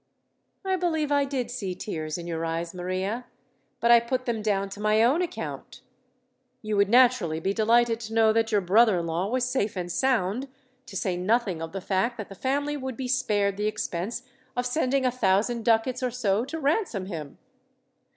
"I believe I did see tears in your eyes, Maria; but I put them down to my own account. You would naturally be delighted to know that your brother in law was safe and sound, to say nothing of the fact that the family would be spared the expense of sending a thousand ducats or so to ransom him."